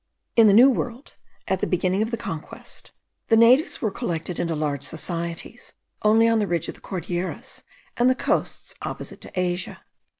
In the New World, at the beginning of the conquest, the natives were collected into large societies only on the ridge of the Cordilleras and the coasts opposite to Asia.